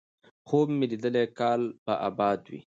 خوب مې ليدلی کال به اباد وي،